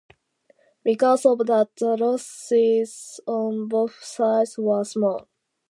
Because of that, the losses on both sides were small.